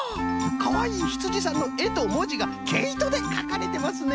かわいいヒツジさんのえともじがけいとでかかれてますね。